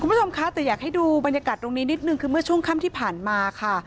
คุณผู้ชมคะแต่อยากให้ดูบรรยากาศตรงนี้นิดนึงคือเมื่อช่วงค่ำที่ผ่านมาค่ะ